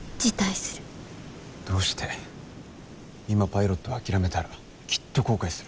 今パイロットを諦めたらきっと後悔する。